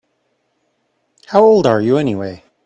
How old are you anyway?